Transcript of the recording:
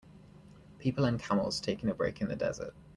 People and camels taking a break in the desert.